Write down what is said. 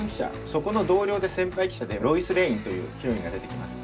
そこの同僚で先輩記者でロイス・レインというヒロインが出てきます。